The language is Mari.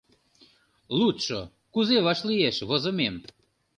Лудшо кузе вашлиеш возымем?